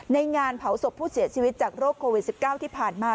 งานเผาศพผู้เสียชีวิตจากโรคโควิด๑๙ที่ผ่านมา